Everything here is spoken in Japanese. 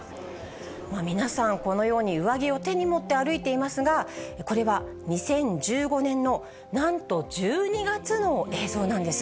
皆さんこのように上着を手に持って歩いていますが、これは２０１５年のなんと１２月の映像なんです。